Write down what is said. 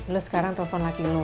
blus sekarang telpon laki lu